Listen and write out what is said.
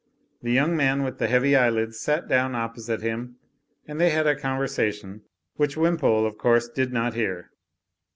The young man with the heavy eyelids sat down opposite him and they had a conversation which Wimpole, of course, did not hear.